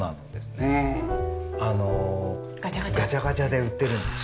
あのガチャガチャで売ってるんです。